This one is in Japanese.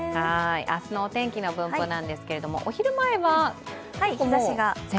明日のお天気の分布なんですけれども、お昼前は全部。